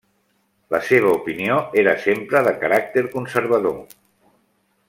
La seva opinió era sempre de caràcter conservador.